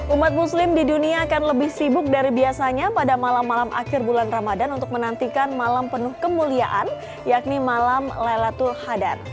umat muslim di dunia akan lebih sibuk dari biasanya pada malam malam akhir bulan ramadan untuk menantikan malam penuh kemuliaan yakni malam laylatul hadar